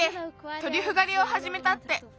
トリュフがりをはじめたって。